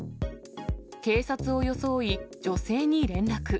警察を装い、女性に連絡。